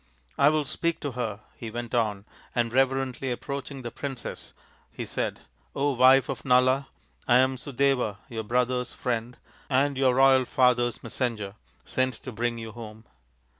" I will speak to her," he went on, and reverently approaching the princess he said :" wife of Nala, I am Sudeva, your brother's friend and your royal father's messenger, sent to bring you home."